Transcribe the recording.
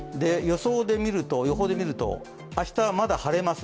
予報で見ると、明日はまだ晴れます。